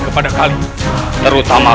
kepada kalian terutama